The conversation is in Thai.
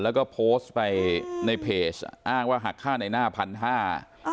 แล้วก็โพสต์ไปในเพจอ้างว่าหักค่าในหน้าพันห้า